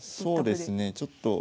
そうですねちょっと。